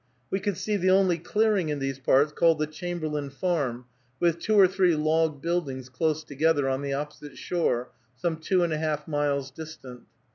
We could see the only clearing in these parts, called the "Chamberlain Farm," with two or three log buildings close together, on the opposite shore, some two and a half miles distant.